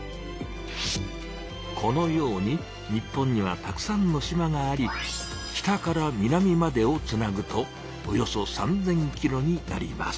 このように日本にはたくさんの島があり北から南までをつなぐとおよそ３０００ｋｍになります。